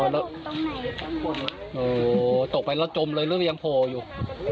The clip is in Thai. แล้วตกไปแล้วจมเลยเรื่องยังโผล่อยู่